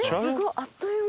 あっという間。